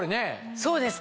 そうですね。